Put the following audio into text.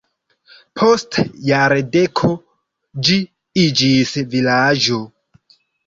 Post jardeko ĝi iĝis vilaĝo.